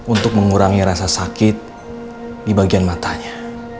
untuk mengurangi rasa sakit di bagian matanya